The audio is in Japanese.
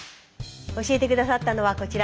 教えて下さったのはこちら